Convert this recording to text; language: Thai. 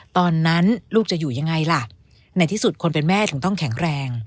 ตอนนั้นลูกจะอยู่ยังไงล่ะในที่สุดคนเป็นแม่ถึงต้องแข็งแรง